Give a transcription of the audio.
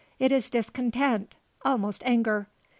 It is discontent almost anger.